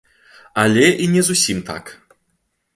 Але і не зусім так.